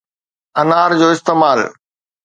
انار جو استعمال